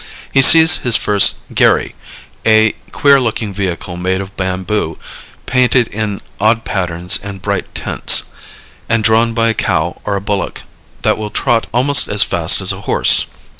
He sees his first "gherry," a queer looking vehicle made of bamboo, painted in odd patterns and bright tints, and drawn by a cow or a bullock that will trot almost as fast as a horse.